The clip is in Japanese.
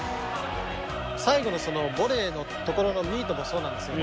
最後のボレーのところのミートもそうなんですけど